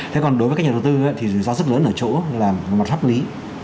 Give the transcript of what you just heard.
thế còn đối với các nhà đầu tư thì rủi ro rất lớn ở chỗ là mặt pháp lý